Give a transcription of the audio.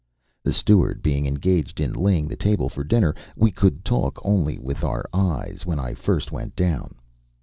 The steward being engaged in laying the table for dinner, we could talk only with our eyes when I first went down.